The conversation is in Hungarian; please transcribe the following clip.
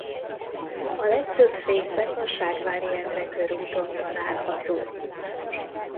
A legtöbb fészek a Ságvári Endre körúton található.